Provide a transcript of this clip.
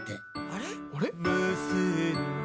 あれ？